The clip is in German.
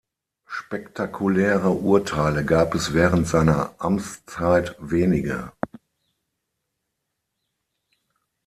Spektakuläre Urteile gab es während seiner Amtszeit wenige.